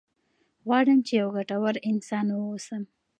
غواړم چې یو ګټور انسان واوسم.